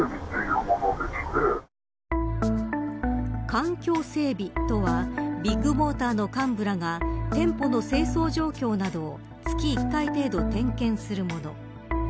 環境整備とはビッグモーターの幹部らが店舗の清掃状況などを月１回程度点検するもの。